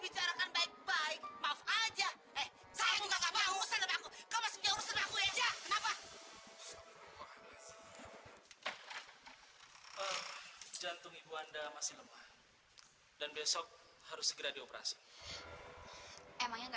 jantung ibu anda masih lemah dan besok harus segera dioperasi emangnya enggak